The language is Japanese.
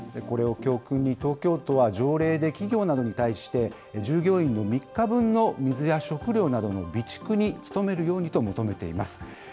これを教訓に東京都は、条例で企業などに対して、従業員の３日分の水や食料などの備蓄に努めるようにと求めています。